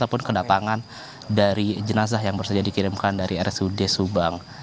ataupun kedatangan dari jenazah yang baru saja dikirimkan dari rsud subang